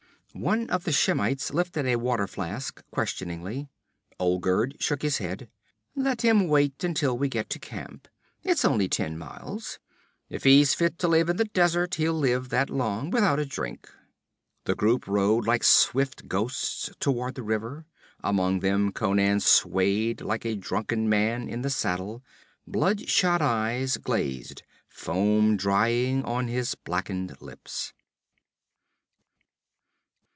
One of the Shemites lifted a water flask questioningly. Olgerd shook his head. 'Let him wait until we get to camp. It's only ten miles. If he's fit to live in the desert he'll live that long without a drink.' The group rode like swift ghosts toward the river; among them Conan swayed like a drunken man in the saddle, bloodshot eyes glazed, foam drying on his blackened lips.